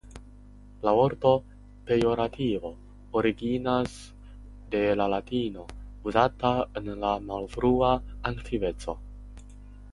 La vorto "pejorativo" originas de la latino uzata en la Malfrua Antikveco.